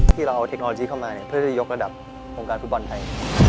ที่เราเอาเทคโนโลยีเข้ามาเพื่อจะยกระดับวงการฟุตบอลไทย